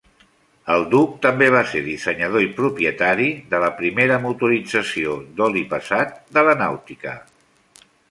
El Duc també va ser dissenyador i propietari de la primera motorització d'oli pesat de la nàutica.